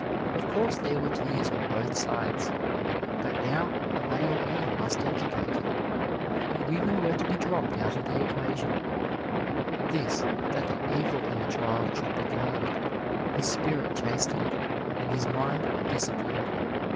Of course there were tears on both sides; but now a male man must educate him, and women were to be dropped out of the equation this that the evil in the child should be curbed, his spirit chastened, and his mind disciplined.